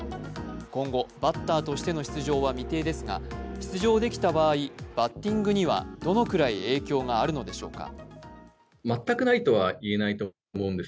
今後、バッターとしての出場は未定ですが出場できた場合、バッティングにはどのくらい影響があるのでしょうか。